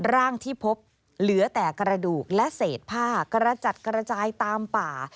ร่างที่พบเหลือแต่กระดูกและเศษผ้ากระจัดกระจายตามป่า